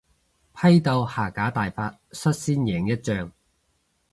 批鬥下架大法率先贏一仗